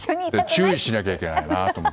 注意しなきゃいけないなと。